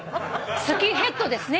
スキンヘッドですね